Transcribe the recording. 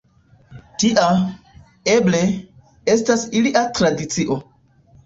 Tia, eble, estas ilia tradicio.